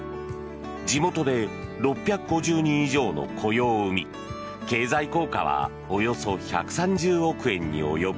地元で６５０人以上の雇用を生み経済効果はおよそ１３０億円に及ぶ。